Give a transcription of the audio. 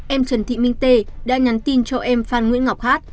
em trần thị minh tê đã nhắn tin cho em phan nguyễn ngọc hát